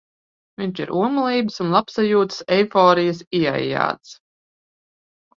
Viņš ir omulības un labsajūtas eiforijas ieaijāts.